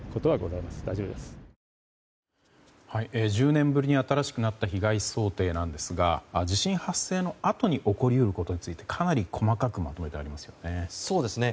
１０年ぶりに新しくなった被害想定なんですが地震発生のあとに起こり得ることについてかなり細かくまとめてありますよね。